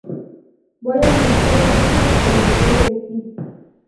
Voy a publicar imágenes cuando llegue el kit!